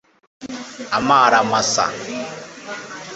amara masa